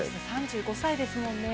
３５歳ですもんね。